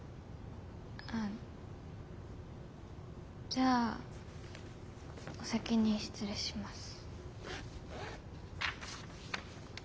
あじゃあお先に失礼します。